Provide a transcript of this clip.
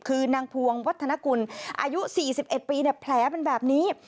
คือนางพวงวัฒนกุลอายุ๔๑ปีแผลเป็นแบบนี้